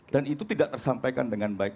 dan itu tidak tersampekan dengan baik